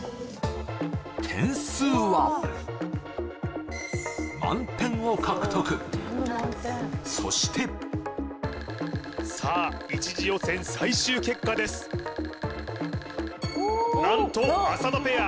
点数は満点を獲得そしてさあ一次予選最終結果です何と浅田ペア